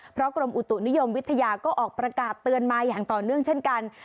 เพราะกรมอุตุนิยมวิทยาก็ออกประกาศเตือนมาอย่างต่อเนื่องเช่นกัน